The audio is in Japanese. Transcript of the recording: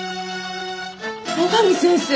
野上先生！